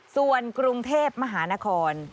ส่วนกรุงเทพมหานคร